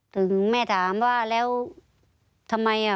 ถึงแม่ถามว่าแล้วทำไมอ่ะ